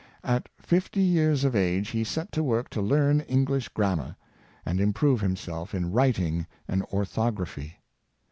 At fifty years of age he set to work to learn English grammar, and improve himself in writing and orthography.